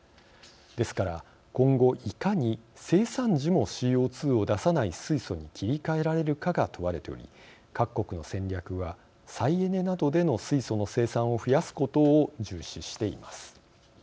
ですから今後いかに生産時もＣＯ２を出さない水素に切り替えられるかが問われており各国の戦略は再エネなどでの水素の生産を増やすことを重視しています。